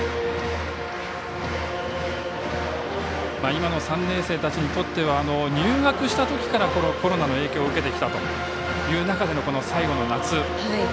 今の３年生たちにとっては入学した時からコロナの影響を受けてきたという中での最後の夏。